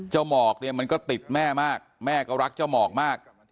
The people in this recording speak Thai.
หมอกเนี่ยมันก็ติดแม่มากแม่ก็รักเจ้าหมอกมาก